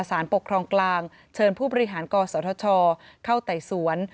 สารปกครองกลางเชิญผู้บริหารกศธชเข้าไต่สวน